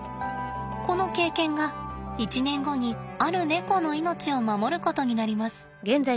この経験が１年後にあるネコの命を守ることになります。